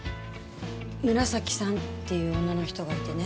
紫さんっていう女の人がいてね。